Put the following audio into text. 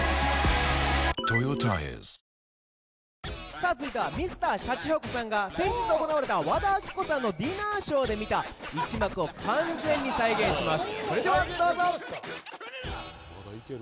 さあ続いてはＭｒ．シャチホコさんが先日行われた和田アキ子さんのディナーショーで見た一幕を完全に再現します